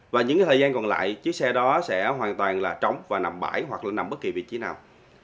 và những thời gian còn lại chiếc xe đó sẽ hoàn toàn trống và nằm bãi hoặc là nằm bất kỳ vị trí nào